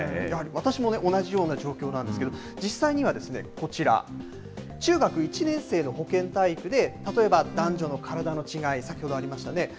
私もね、同じような状況なんですけど、実際には、こちら、中学１年生の保健体育で、例えば男女の体の違い、先ほどありましたね。